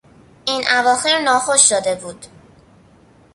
این اواخر ناخوش شده بود.